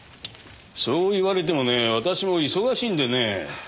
そう言われてもねえ私も忙しいんでね。